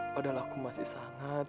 padahal aku masih sangat